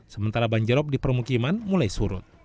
sementara banjirop di permukiman mulai surut